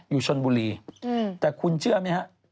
อยู่ชนบุรีแต่คุณเชื่อไหมฮะ